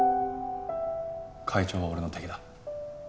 会長は俺の敵だ。